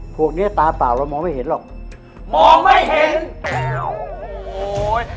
พวกเนี้ยตาเปล่าเรามองไม่เห็นหรอกมองไม่เห็นโอ้โห